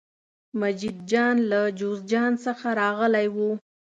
مجید جان له جوزجان څخه راغلی و.